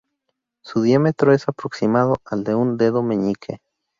Su diámetro es aproximado al de un dedo meñique.